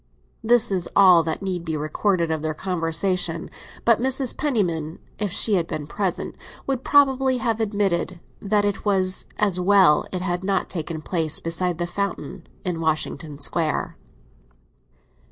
This is all that need be recorded of their conversation; but Mrs. Penniman, if she had been present, would probably have admitted that it was as well it had not taken place beside the fountain in Washington Square.